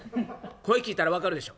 声聞いたら分かるでしょ。